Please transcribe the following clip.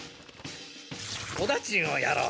お駄賃をやろう。